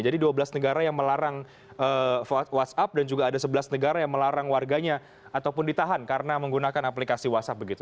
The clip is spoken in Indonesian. dua belas negara yang melarang whatsapp dan juga ada sebelas negara yang melarang warganya ataupun ditahan karena menggunakan aplikasi whatsapp begitu